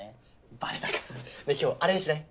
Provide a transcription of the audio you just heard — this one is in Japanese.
バレたか今日あれにしない？